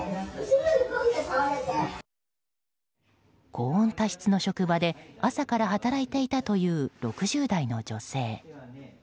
高温多湿の職場で、朝から働いていたという６０代の女性。